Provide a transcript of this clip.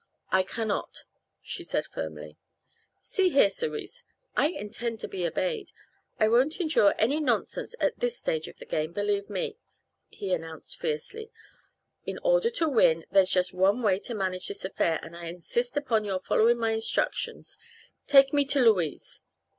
"I cannot," she said firmly. "See here, Cerise, I intend to be obeyed. I won't endure any nonsense at this stage of the game, believe me," he announced fiercely. "In order to win, there's just one way to manage this affair, and I insist upon your following my instructions. Take me to Louise!"